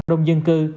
đông dân cư